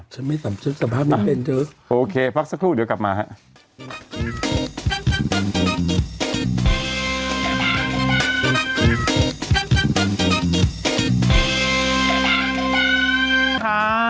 ฉันสัมภาพไม่เป็นเจ้อโอเคพักสักครู่เดี๋ยวกลับมาครับ